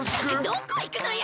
どこいくのよ！